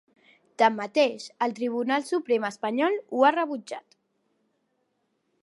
Tanmateix, el Tribunal Suprem espanyol ho ha rebutjat.